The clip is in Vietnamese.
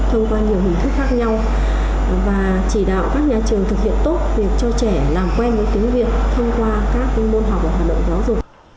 thông qua nhiều hình thức khác nhau và chỉ đạo các nhà trường thực hiện tốt việc cho trẻ làm quen với tiếng việt thông qua các môn học và hoạt động giáo dục